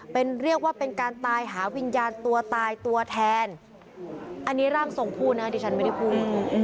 เป็นเรียกว่าเป็นการตายหาวิญญาณตัวตายตัวแทนอันนี้ร่างทรงพูดนะดิฉันไม่ได้พูด